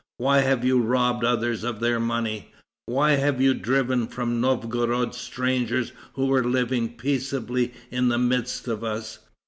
Why have you robbed others of their money? Why have you driven from Novgorod strangers who were living peaceably in the midst of us?